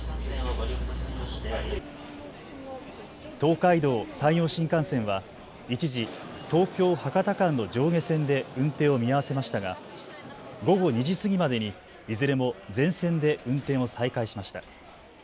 東海道、山陽新幹線は一時東京・博多間の上下線で運転を見合わせましたが午後２時過ぎまでにいずれも全線で運転を再開しました。